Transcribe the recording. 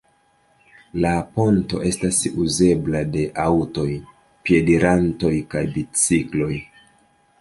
La ponto estas uzebla de aŭtoj, piedirantoj kaj bicikloj.